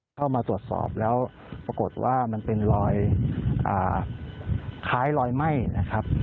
เข้ามาตรวจสอบแล้วปรากฏว่ามันเป็นรอยคล้ายรอยไหม้นะครับ